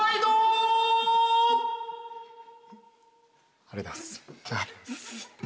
ありがとうございます。